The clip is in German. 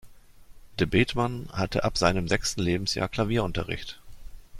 De Bethmann hatte ab seinem sechsten Lebensjahr Klavierunterricht.